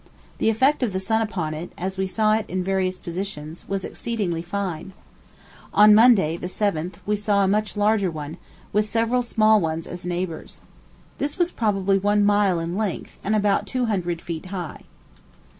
The effect of the sun upon it, as we saw it in various positions, was exceedingly fine. On Monday, the 7th, we saw a much larger one, with several small ones as neighbors. This was probably one mile in length, and about two hundred feet high.